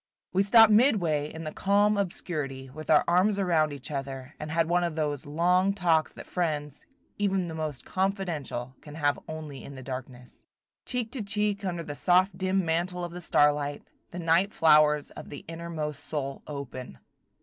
We stopped midway in the calm obscurity, with our arms around each other, and had one of those long talks that friends, even the most confidential, can have only in the darkness. Cheek to cheek under the soft dim mantle of the starlight, the night flowers of the innermost soul open.